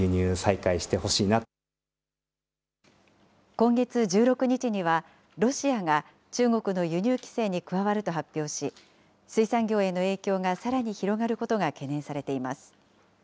今月１６日には、ロシアが中国の輸入規制に加わると発表し、水産業への影響がさらに広がることが懸念されています。